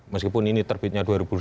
meskipun ini terbitnya dua ribu delapan